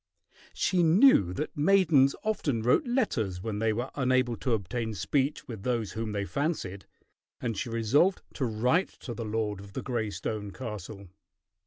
She knew that maidens often wrote letters when they were unable to obtain speech with those whom they fancied, and she resolved to write to the lord of the gray stone castle.